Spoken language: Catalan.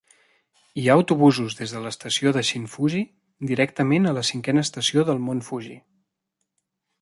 Hi ha autobusos des de l'estació de Shin-Fuji directament a la cinquena estació del Mont Fuji.